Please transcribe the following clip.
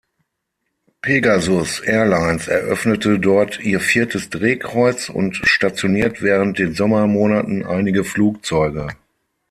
Pegasus Airlines eröffnete dort ihr viertes Drehkreuz und stationiert während den Sommermonaten einige Flugzeuge.